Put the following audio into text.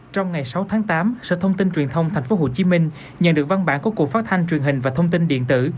trong ngày sáu tháng tám sở thông tin truyền thông tp hcm nhận được văn bản của cục phát thanh truyền hình và thông tin điện tử